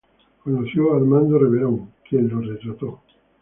Conoció a Armando Reverón, quien lo retrató.